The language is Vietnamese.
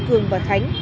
cường và khánh